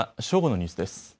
正午のニュースです。